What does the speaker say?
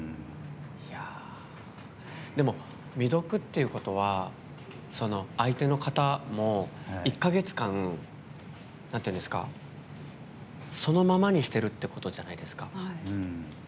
でも、未読っていうことはその相手の方も１か月間、そのままにしてるってことじゃないですか。